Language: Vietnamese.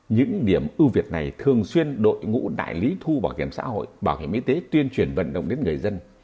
những điểm ưu việt này thường xuyên đội ngũ đại lý thu bảo hiểm xã hội bảo hiểm y tế tuyên truyền vận động đến người dân